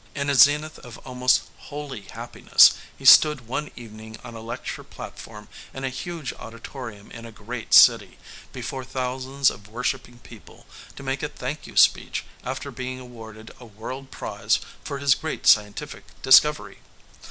In a zenith of almost holy happiness, he stood one evening on a lecture platform in a huge auditorium in a great city, before thousands of worshipping people to make a thank you speech after being awarded a world prize for his great scientific discovery.